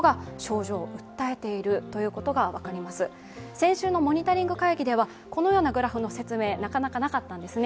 先週のモニタリング会議ではこのようなグラフの説明がなかなかなかったんですね。